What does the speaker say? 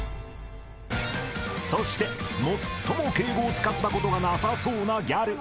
［そして最も敬語を使ったことがなさそうなギャル］